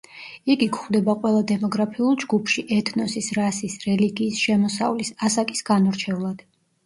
იგი გვხვდება ყველა დემოგრაფიულ ჯგუფში, ეთნოსის, რასის, რელიგიის, შემოსავლის, ასაკის განურჩევლად.